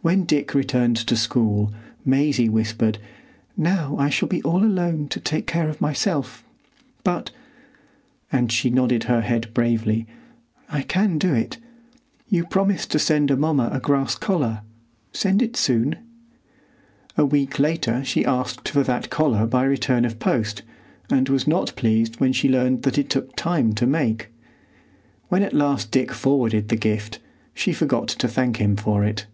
When Dick returned to school, Maisie whispered, "Now I shall be all alone to take care of myself; but," and she nodded her head bravely, "I can do it. You promised to send Amomma a grass collar. Send it soon." A week later she asked for that collar by return of post, and was not pleased when she learned that it took time to make. When at last Dick forwarded the gift, she forgot to thank him for it.